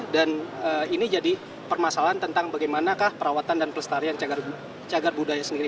dan ini jadi permasalahan tentang bagaimana kah perawatan dan pelestarian cagar budaya sendiri